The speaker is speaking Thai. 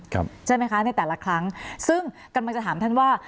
ใช่ไหมคะในแต่ละครั้งซึ่งกำลังจะถามท่านว่า